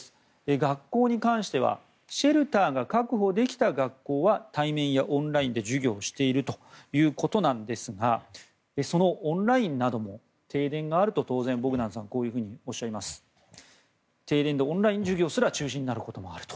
学校に関してはシェルターが確保できた学校は対面やオンラインで、授業をしているということなんですがそのオンラインなども停電があると当然停電でオンライン授業すら中止になることもあると。